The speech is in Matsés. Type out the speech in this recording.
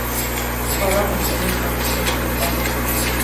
Codocaquin tantiaquidta nec